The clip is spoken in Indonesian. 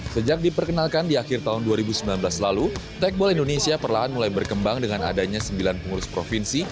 sejak diperkenalkan di akhir tahun dua ribu sembilan belas lalu tekball indonesia perlahan mulai berkembang dengan adanya sembilan pengurus provinsi